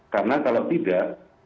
karena kalau tidak